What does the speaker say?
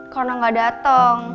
karena gak dateng